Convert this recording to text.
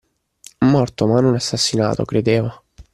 Morto, ma non assassinato, credeva.